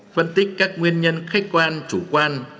phân tích các nguyên nhân khách quan chủ quan